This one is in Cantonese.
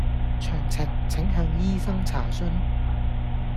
詳情請向醫生查詢